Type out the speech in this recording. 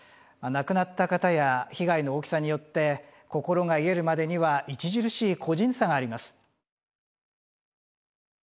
亡くなった方や被害の大きさによって心が癒えるまでには著しい個人差があります。